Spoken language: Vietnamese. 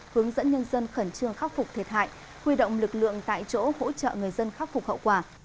hướng dẫn nhân dân khẩn trương khắc phục thiệt hại huy động lực lượng tại chỗ hỗ trợ người dân khắc phục hậu quả